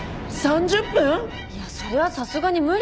いやそれはさすがに無理ですね。